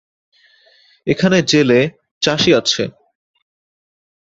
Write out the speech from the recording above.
এখানে জেলে, চাষী আছে।